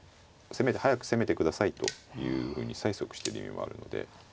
早く攻めてくださいというふうに催促してる意味もあるので。